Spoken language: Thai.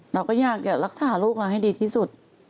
เราก็อยากจะรักษาลูกเราให้ดีที่สุด